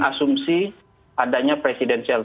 asumsi adanya presidenialitas